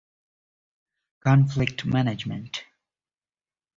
The leaves can be mistaken for those of the catalpa.